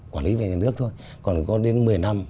quản lý về nhà nước thôi còn có đến một mươi năm